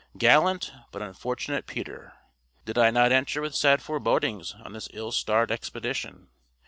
Gallant, but unfortunate Peter! Did I not enter with sad forebodings on this ill starred expedition?